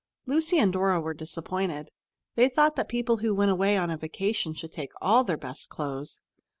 Lucy and Dora were disappointed. They thought that people who went away on a vacation should take all their best clothes.